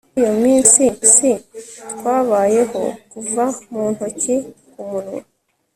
Muri iyo minsi twabayeho kuva mu ntoki ku munwa